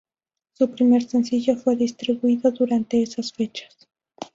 Su primer sencillo fue distribuido durante esas fechas.